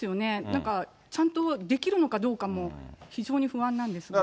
なんかちゃんとできるのかどうかも、非常に不安なんですけど。